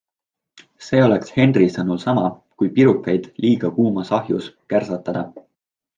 See oleks Henry sõnul sama, kui pirukaid liiga kuumas ahjus kärsatada.